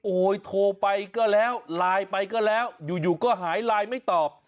โอ้โหโทรไปก็แล้วไลน์ไปก็แล้วอยู่ก็หายไลน์ไม่ตอบ